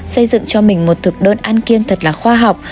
xây dựng cho mình một thực đơn ăn kiêng thật là khoa học